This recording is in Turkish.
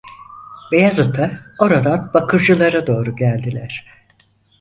Beyazıt’a, oradan Bakırcılar’a doğru geldiler.